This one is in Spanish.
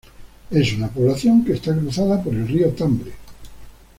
Es una población que está cruzada por el río Tambre.